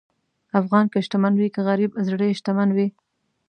افغان که شتمن وي که غریب، زړه یې شتمن وي.